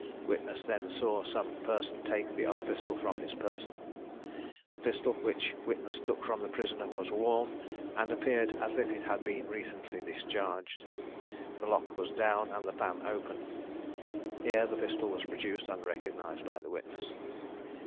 Witness then saw some person take the other pistol from his person. The pistol which witness took from the prisoner was warm, and appeared as if it had been recently discharged. The lock was down and the pan open. (Here the pistol was produced, and recognised by the witness.)